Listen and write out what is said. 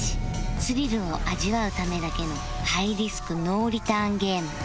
スリルを味わうためだけのハイリスクノーリターンゲーム